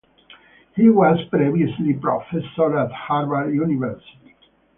He was previously professor at Harvard University.